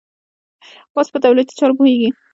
اوس په دولتي چارو پوهېږي.